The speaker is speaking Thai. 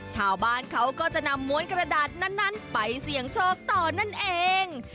ชาวบ้านเขาก็จะนำม้วนกระดาษนั้นไปเสี่ยงโชคต่อนั่นเอง